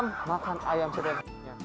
makan ayam sedang